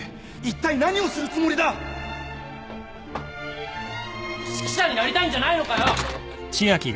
君は日本で指揮者になりたいんじゃないのかよ！？